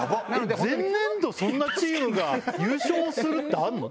前年度そんなチームが優勝するってあんの？